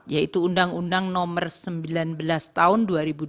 yaitu undang undang nomor sembilan belas tahun dua ribu dua